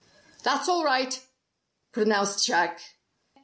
"That's all right," pronounced Jack.